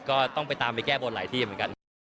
ก็ต้องไปตามไปแก้บนหลายที่เหมือนกัน